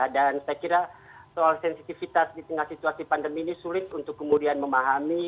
dan saya kira soal sensitivitas di tengah situasi pandemi ini sulit untuk kemudian memahami